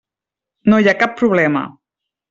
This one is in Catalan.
No hi ha cap problema.